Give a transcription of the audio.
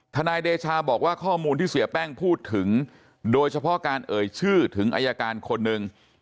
นายเดชาบอกว่าข้อมูลที่เสียแป้งพูดถึงโดยเฉพาะการเอ่ยชื่อถึงอายการคนหนึ่ง